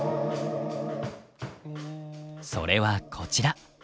それはこちら。